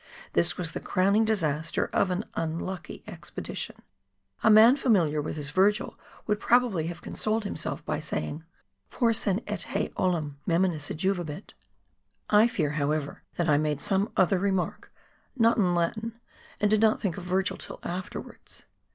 This was the crowning disaster of an unlucky expedition. A man familiar with his Virgil would probably have consoled himself by saying :—" Forsan et hsec olim meminisse juvabit." I fear, however, that I made some other remark — not in Latin — and did not think of Virgil till afterwards